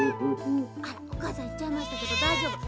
おかあさんいっちゃいましたけどだいじょうぶ？